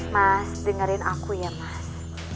mas dengerin aku ya mas